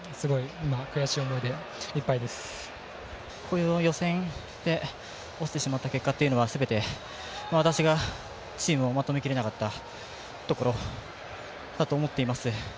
今、悔しい思いでいっぱいです予選で落ちてしまった結果っていうのは全て私がチームをまとめきれなかったところだと思っています。